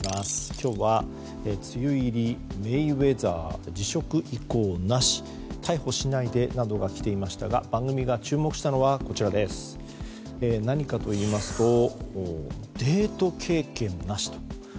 今日は梅雨入りメイウェザー、辞職意向なし逮捕しないでなどがありましたが番組が注目したのはこちらデート経験なしと。